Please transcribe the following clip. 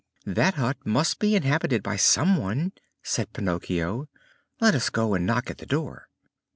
"That hut must be inhabited by some one," said Pinocchio. "Let us go and knock at the door."